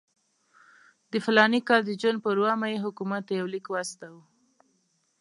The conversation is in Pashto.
د فلاني کال د جون پر اوومه یې حکومت ته یو لیک واستاوه.